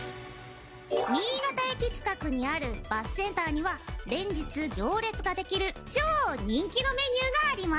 新潟駅近くにあるバスセンターには連日行列ができる超人気のメニューがあります。